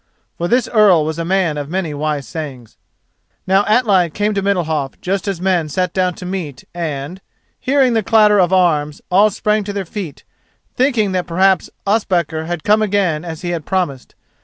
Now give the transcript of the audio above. For this earl was a man of many wise sayings. Now Atli came to Middalhof just as men sat down to meat and, hearing the clatter of arms, all sprang to their feet, thinking that perhaps Ospakar had come again as he had promised.